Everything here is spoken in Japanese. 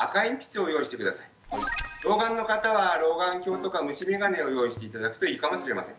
老眼の方は老眼鏡とか虫眼鏡を用意して頂くといいかもしれません。